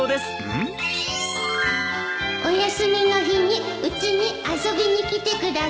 お休みの日にうちに遊びに来てください！